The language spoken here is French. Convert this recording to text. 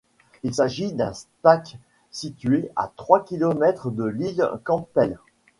Il s'agit d'un Stack situé à trois kilomètres de l'île Campbell.